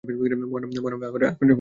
মহানাম আক্ষরিক অর্থ 'মহান নাম'।